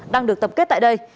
đang được tập kết tại đây